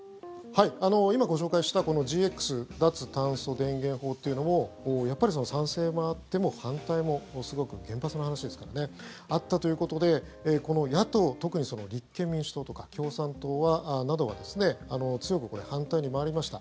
今、ご紹介したこのＧＸ脱炭素電源法というのもやっぱり賛成もあっても反対も、すごく原発の話ですからねあったということでこの野党特に立憲民主党とか共産党などは強く反対に回りました。